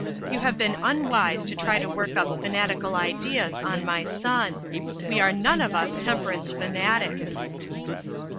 You have been unwise to try to work up fanatical ideas on my son. We are none of us temperance fanatics."